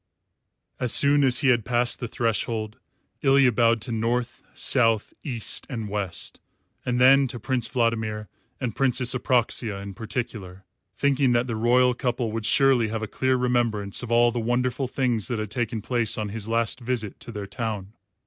As soon as he had passed the threshold, Ilya bowed to North, South, East, and West, and then to Prince Vladimir and Princess Apraxia in particular, thinking that the royal couple would surely have a clear remembrance of all the wonderful things that had taken place on his last visit to their town.